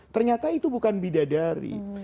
ternyata itu bukan bidadari